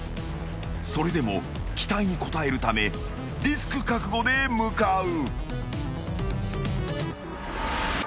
［それでも期待に応えるためリスク覚悟で向かう］